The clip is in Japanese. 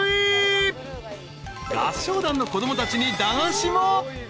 ［合唱団の子供たちに駄菓子も］